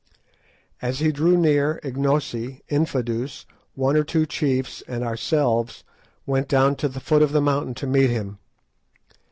As he drew near, Ignosi, Infadoos, one or two chiefs and ourselves, went down to the foot of the mountain to meet him.